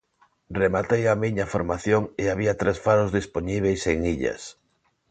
Rematei a miña formación e había tres faros dispoñíbeis en illas.